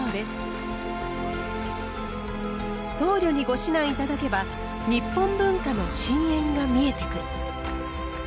僧侶にご指南頂けば日本文化の深淵が見えてくる。